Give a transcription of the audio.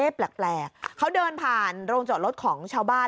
แปลกเขาเดินผ่านโรงจอดรถของชาวบ้าน